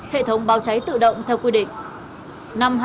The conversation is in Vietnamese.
hệ thống bao cháy tự động theo quy định